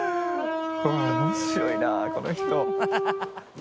面白いなこの人。